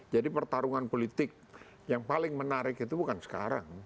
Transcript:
jadi pertarungan politik yang paling menarik itu bukan sekarang